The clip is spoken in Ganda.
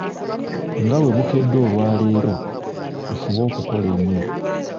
Nga bwe bukedde olwaleero, tufube okukola ennyo.